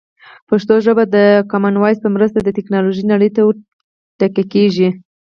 پښتو ژبه د کامن وایس په مرسته د ټکنالوژۍ نړۍ ته ور ټيکه کېږي.